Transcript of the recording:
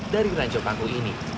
dari ranjau paku ini